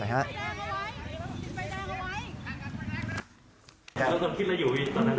ตอนนั้นคิดอะไรอยู่